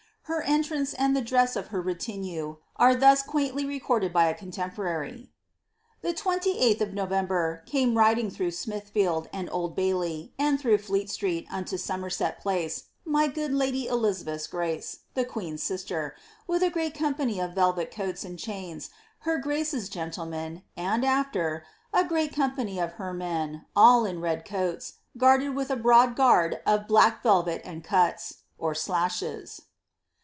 Her entrance and the dresa of her retinue, are thus quaintly recorded by a contempo imry. ^ The 28th day of November, came riding through Smithfield and Old Baily, and through Fleet Street unto Somerset Place, my good lady Elizabeth's grace, the queen^ sister, with a great company of vel* vet coats and chains, her grace's ffentlemen, and after, a great company of her men, all in red coats, guaraed with a broad gusjrd of black velrel and cuts," ' (slashes).